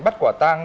bắt quả tàng